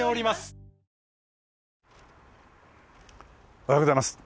おはようございます。